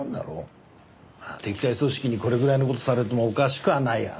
敵対組織にこれぐらいの事されてもおかしくはないわな。